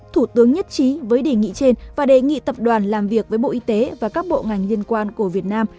thủ tướng nhất trí với đề nghị trên và đề nghị tập đoàn làm việc với bộ y tế và các bộ ngành liên quan của việt nam